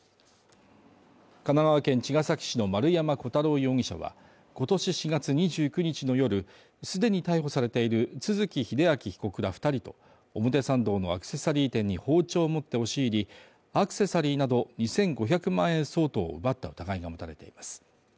神奈川県茅ケ崎市の丸山虎太郎容疑者は今年４月２９日の夜、既に逮捕されている都築英明被告ら２人と、表参道のアクセサリー店に包丁持って押し入り、アクセサリーなど２５００万円相当を奪った疑いが持たれています。